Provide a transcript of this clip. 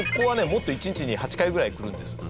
もっと１日に８回ぐらい来るんですよ。